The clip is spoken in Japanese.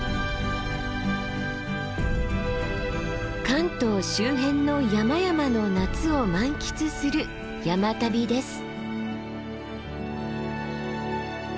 関東周辺の山々の夏を満喫する山旅です。